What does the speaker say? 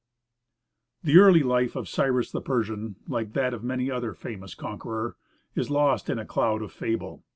] The early life of Cyrus the Persian, like that of many another famous conqueror, is lost in a cloud of fable.